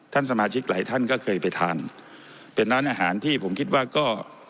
ท่านสมาชิกหลายท่านก็เคยไปทานเป็นร้านอาหารที่ผมคิดว่าก็